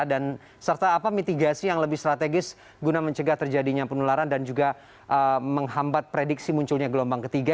dan serta apa mitigasi yang lebih strategis guna mencegah terjadinya penularan dan juga menghambat prediksi munculnya gelombang ketiga